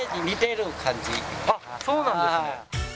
あっそうなんですね。